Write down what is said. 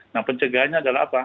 yang pencegahnya adalah apa